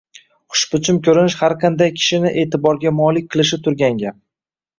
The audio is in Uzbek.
Xushbichim ko`rinish har qanday kishini e`tiborga molik qilishi turgan gap